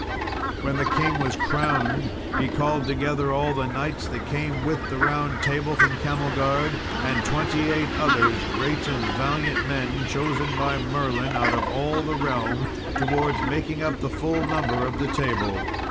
When the king was crowned, he called together all the knights that came with the Round Table from Camelgard, and twenty eight others, great and valiant men, chosen by Merlin out of all the realm, towards making up the full number of the table.